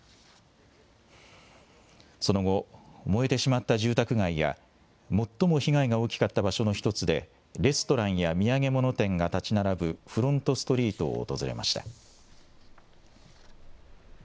その後、燃えてしまった住宅街や、最も被害が大きかった場所の一つで、レストランや土産物店が建ち並ぶフロントストリートを訪れました。